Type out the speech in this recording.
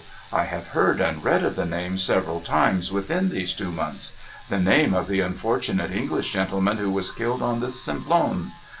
I have heard and read of the name, several times within these two months. The name of the unfortunate English gentleman who was killed on the Simplon.